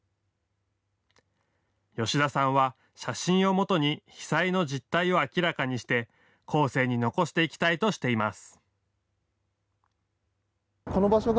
吉田さんは、写真をもとに被災の実態を明らかにして後世に残していきたいとしています。